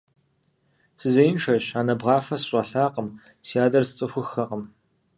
Сызеиншэщ, анэ бгъафэ сыщӀэлъакъым, си адэр сцӀыхуххэкъым.